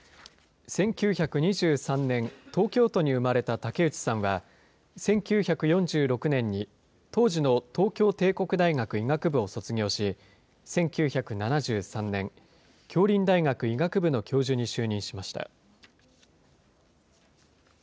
１９２３年、東京都に生まれた竹内さんは１９４６年に当時の東京帝国大学医学部を卒業し、１９７３年、杏林大学医学部の教授に就任しました。